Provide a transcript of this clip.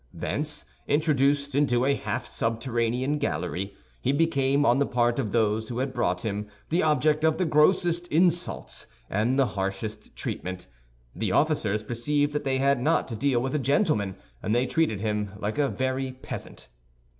Thence, introduced into a half subterranean gallery, he became, on the part of those who had brought him, the object of the grossest insults and the harshest treatment. The officers perceived that they had not to deal with a gentleman, and they treated him like a very peasant.